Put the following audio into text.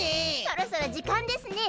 そろそろじかんですね。